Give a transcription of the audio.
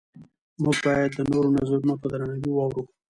موږ باید د نورو نظرونه په درناوي واورو